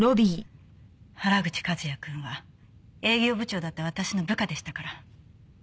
原口和也くんは営業部長だった私の部下でしたから。